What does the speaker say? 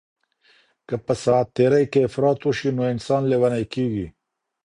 که په ساعت تیرۍ کي افراط وشي نو انسان لیونی کیږي.